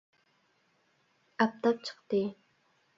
ئاپتاپ چىقتى